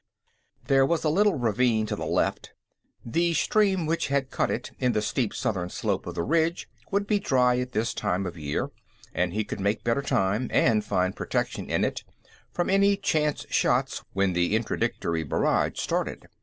There was a little ravine to the left; the stream which had cut it in the steep southern slope of the ridge would be dry at this time of year, and he could make better time, and find protection in it from any chance shots when the interdictory barrage started.